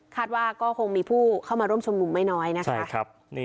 ว่าก็คงมีผู้เข้ามาร่วมชุมนุมไม่น้อยนะคะ